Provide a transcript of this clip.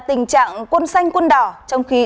tình trạng quân xanh quân đỏ trong khi